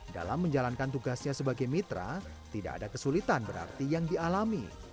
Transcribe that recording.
dalam menjalankan tugasnya sebagai mitra tidak ada kesulitan berarti yang dialami